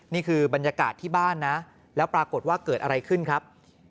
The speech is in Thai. นี่คือบรรยากาศที่บ้านนะแล้วปรากฏว่าเกิดอะไรขึ้นครับ